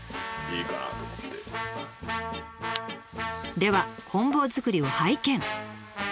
ではこん棒作りを拝見！